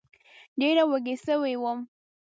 ډېره وږې سوې وم